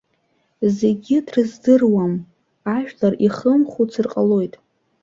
Зегьы дрыздыруам, ажәлар ихымхәыцыр ҟалоит.